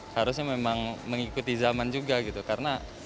harusnya memang mengikuti zaman juga gitu karena